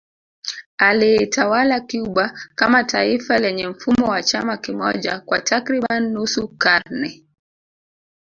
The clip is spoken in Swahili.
Aliitawala Cuba kama taifa lenye mfumo wa chama kimoja kwa takriban nusu karne